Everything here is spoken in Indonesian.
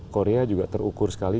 korea juga terukur sekali